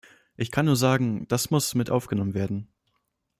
Ich kann nur sagen, das muss mit aufgenommen werden.